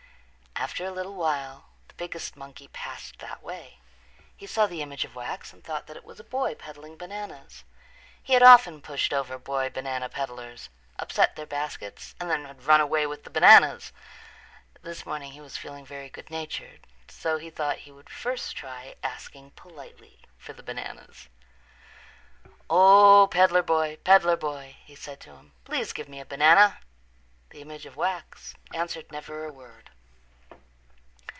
After a little while the biggest monkey passed that way. He saw the image of wax and thought that it was a boy peddling bananas. He had often pushed over boy banana peddlers, upset their baskets and then had run away with the bananas. This morning he was feeling very good natured so he thought that he would first try asking politely for the bananas. "O, peddler boy, peddler boy," he said to him, "please give me a banana." The image of wax answered never a word.